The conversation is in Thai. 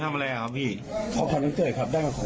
ครับ